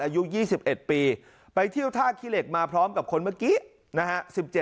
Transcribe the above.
อายุ๒๑ปีไปเที่ยวท่าขี้เหล็กมาพร้อมกับคนเมื่อกี้นะฮะ